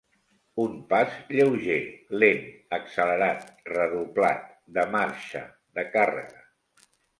Un pas lleuger, lent, accelerat, redoblat, de marxa, de càrrega.